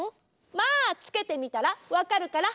まあつけてみたらわかるから。